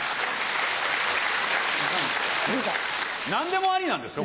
何でもありなんですか？